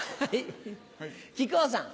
木久扇さん。